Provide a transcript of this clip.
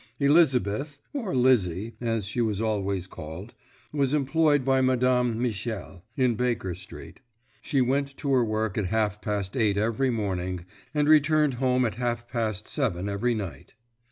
Elizabeth, or Lizzie as she was always called, was employed by Madame Michel, in Baker Street. She went to her work at half past eight every morning and returned home at half past seven every night.